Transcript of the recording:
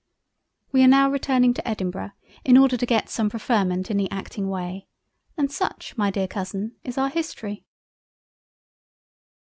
We are now returning to Edinburgh in order to get some preferment in the Acting way; and such my Dear Cousin is our History."